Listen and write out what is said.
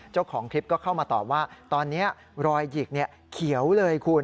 เจ้าของคลิปก็เข้ามาตอบว่าตอนนี้รอยหยิกเขียวเลยคุณ